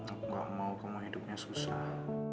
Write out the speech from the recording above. aku gak mau kamu hidupnya susah